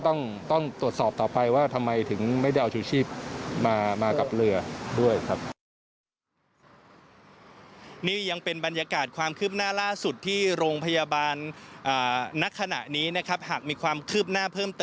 ก็ต้องตรวจสอบต่อไปว่าทำไมถึงไม่ได้เอาชีวิต